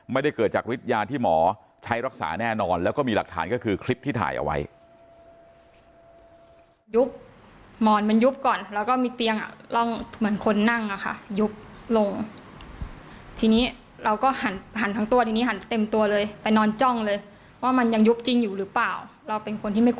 ไม่ได้เกิดจากฤทธิยาที่หมอใช้รักษาแน่นอนแล้วก็มีหลักฐานก็คือคลิปที่ถ่ายเอาไว้